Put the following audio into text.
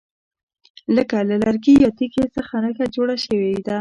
لکه له لرګي او یا تیږي څخه نښه جوړه شوې ده.